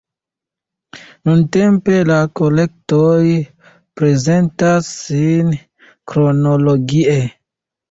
Nuntempe la kolektoj prezentas sin kronologie.